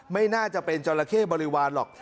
ไม่น่าจะเป็นจราเข้บริวารหรอก